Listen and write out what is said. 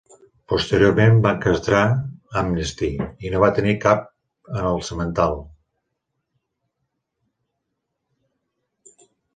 Posteriorment van castrar a Amnesty i no va tenir cap en el semental.